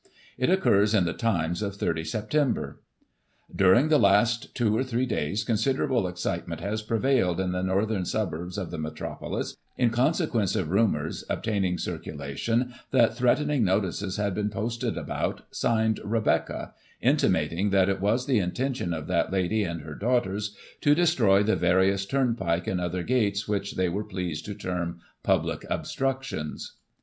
It occurs in the Times of 30 Sep. :" During the last two or three days, considerable excitement has prevailed in the northern suburbs of the Metro polis, in consequence of rumours obtaining circulation that threatening notices had been posted about, signed, * Rebecca,' intimating that it was the intention of that lady and her daughters to destroy the various turnpike and other gates, which they were pleased to term 'public obstructions.